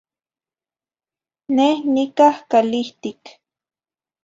Neh nicah calihtic.